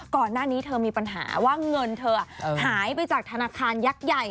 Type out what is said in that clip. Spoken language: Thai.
ก่อนหน้านี้เธอมีปัญหาว่าเงินเธอหายไปจากธนาคารยักษ์ใหญ่